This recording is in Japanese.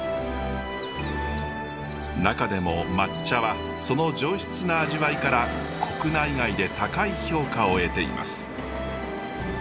中でも抹茶はその上質な味わいから国内外で高い評価を得ています。